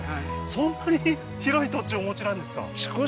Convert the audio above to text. そんなに広い土地をお持ちなんですか？